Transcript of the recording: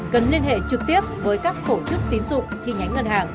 cần liên hệ trực tiếp với các tổ chức tín dụng chi nhánh ngân hàng